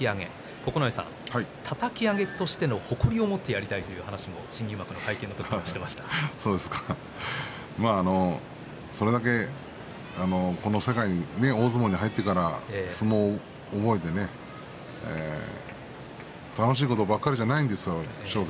九重さん、たたき上げとしての誇りを持ってやりたいそれだけ大相撲に入ってから相撲を覚えて楽しいことばかりじゃないんですよ。